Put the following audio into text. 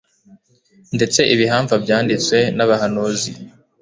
ndetse ibihamva byanditswe n'abahanuzi,